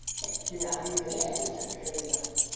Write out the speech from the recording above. ڪي هآريٚ وري وٽ ڇٽ ڪريݩ دآ